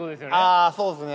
あそうですね。